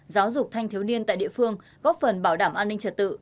giáo dục thanh thiếu niên tại địa phương góp phần bảo đảm an ninh trật tự